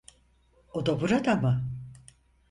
O da burada mı?